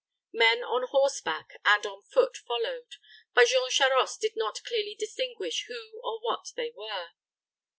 Men on horseback and on foot followed, but Jean Charost did not clearly distinguish who or what they were.